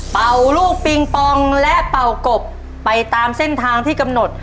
เป่าลูกปิงปองและเป่ากบไปตามเส้นทางที่กำหนด